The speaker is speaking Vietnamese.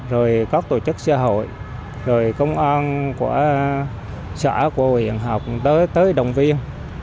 rồi các tổ chức xã hội rồi công an của xã của huyện học tới đồng viên